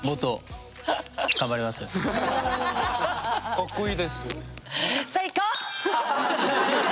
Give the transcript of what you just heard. ・かっこいいです。